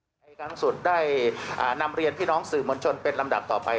ที่ในนี้แถ่งของสุดได้นำเรียนพี่น้องสื่อมนชนเป็นลำดับต่อไป